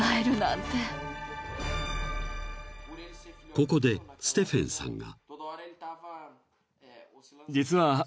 ［ここでステフェンさんが］